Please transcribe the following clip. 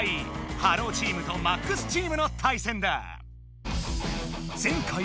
「ｈｅｌｌｏ，」チームと「ＭＡＸ」チームのたいせんだ。